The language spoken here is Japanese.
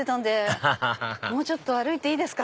アハハハハもうちょっと歩いていいですか？